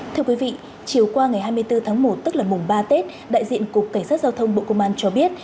thưa quý vị chiều qua ngày hai mươi bốn tháng một tức là mùng ba tết đại diện cục cảnh sát giao thông bộ công an cho biết